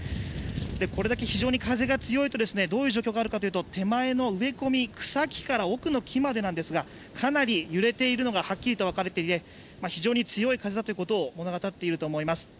これだけ非常に風が強いと、どういう状況があるかというと手前の植え込み、草木から奥の木までなんですがかなり揺れているのがはっきりと分かっていて非常に強い風だということを物語っていると思います。